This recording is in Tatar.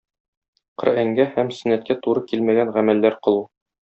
Коръәнгә һәм сөннәткә туры килмәгән гамәлләр кылу.